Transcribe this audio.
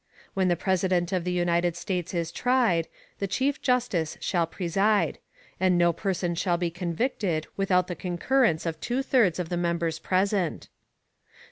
When the President of the United States is tried, the Chief Justice shall preside: And no Person shall be convicted without the Concurrence of two thirds of the Members present.